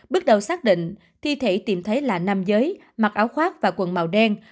bước đầu xác định thi thể tìm thấy là nam giới mặc áo khoác và quần màu đen